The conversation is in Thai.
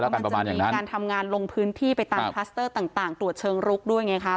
มันจะมีการทำงานลงพื้นที่ไปตามคลัสเตอร์ต่างตรวจเชิงรุกด้วยไงคะ